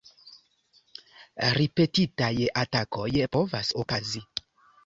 Ripetitaj atakoj povas okazi.